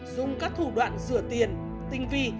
dùng các thủ đoạn rửa tiền tinh vi